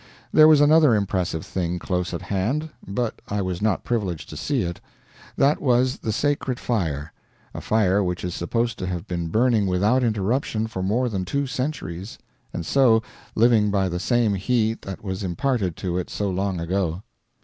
There was another impressive thing close at hand, but I was not privileged to see it. That was the sacred fire a fire which is supposed to have been burning without interruption for more than two centuries; and so, living by the same heat that was imparted to it so long ago.